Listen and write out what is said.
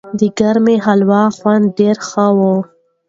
د ګرمې هلوا خوند ډېر ښه و.